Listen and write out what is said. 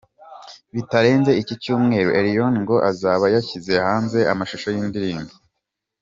Bitarenze iki cyumweru Elion ngo azaba yashyize hanze amashusho y’iyi ndirimbo.